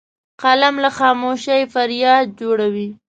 قلم له خاموشۍ فریاد جوړوي